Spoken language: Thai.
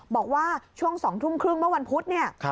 บอกว่าช่วง๒ทุ่มครึ่งเมื่อวันพุธเนี่ย